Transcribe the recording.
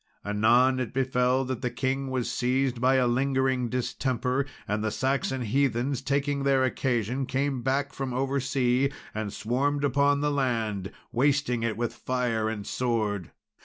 Anon it befell that the king was seized by a lingering distemper, and the Saxon heathens, taking their occasion, came back from over sea, and swarmed upon the land, wasting it with fire and sword.